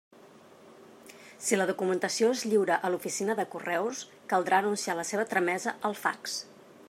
Si la documentació es lliura a l'Oficina de Correus, caldrà anunciar la seva tramesa al fax.